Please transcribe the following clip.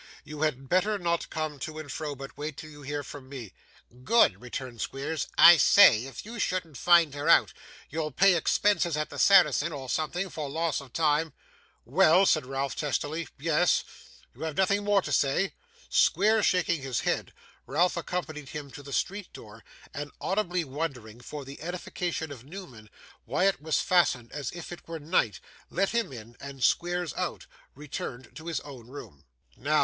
You had better not come to and fro, but wait till you hear from me.' 'Good!' returned Squeers. 'I say! If you shouldn't find her out, you'll pay expenses at the Saracen, and something for loss of time?' 'Well,' said Ralph, testily; 'yes! You have nothing more to say?' Squeers shaking his head, Ralph accompanied him to the streetdoor, and audibly wondering, for the edification of Newman, why it was fastened as if it were night, let him in and Squeers out, and returned to his own room. 'Now!